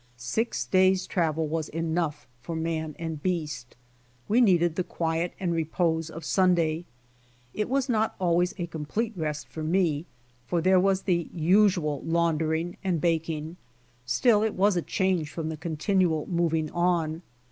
Six days' travel was enough for man and beast. We needed the quiet and repose of Sunday. It was not always a complete rest for me, for there was the usual laundering and baking. Still it was a change from the continual moving on.